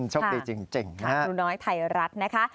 ช่งดีจริงครับครูน้อยไทยรัฐนะคะ